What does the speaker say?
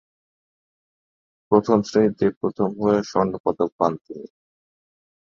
প্রথম শ্রেনীতে প্রথম হয়ে স্বর্ণপদক পান তিনি।